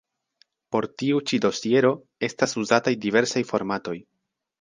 Por tiu ĉi dosiero estas uzataj diversaj formatoj.